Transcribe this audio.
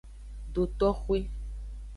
Dotoxwe.